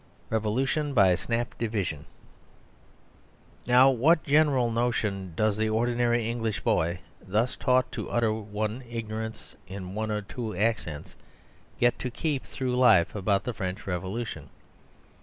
Revolution by Snap Division Now what general notion does the ordinary English boy, thus taught to utter one ignorance in one of two accents, get and keep through life about the French Revolution?